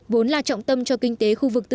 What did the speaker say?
vốn là trọng tâm cho kinh tế